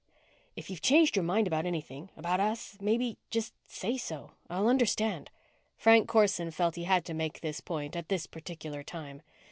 7 "If you've changed your mind about anything about us, maybe just say so. I'll understand." Frank Corson felt he had to make this point at this particular time.